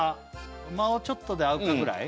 もうちょっとで会うかぐらい？